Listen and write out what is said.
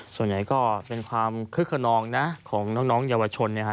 ส่วนใหญ่ก็เป็นความคึกขนองของน้องเยาวชน